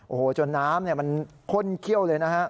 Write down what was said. โอ้โหจนน้ำมันข้นเขี้ยวเลยนะฮะ